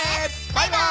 バイバイ！